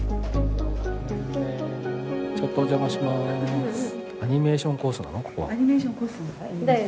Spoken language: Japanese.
ちょっとお邪魔します。